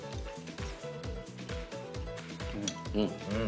うん。